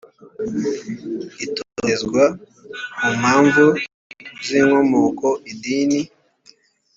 itotezwa ku mpamvu z inkomoko idini